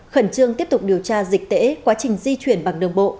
khẩn trương tiếp tục điều tra dịch tễ quá trình di chuyển bằng đường bộ